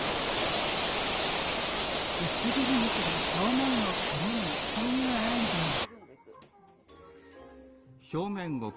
薄切り肉で表面をくるむというアイデア。